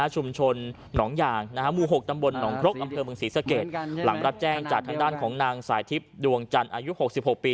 เหมือนกันหลังรับแจ้งจากทางด้านของนางสายทิพย์ดวงจันทร์อายุหกสิบหกปี